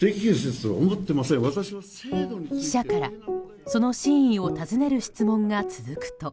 記者からその真意を尋ねる質問が続くと。